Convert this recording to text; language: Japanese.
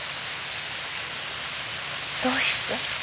どうして？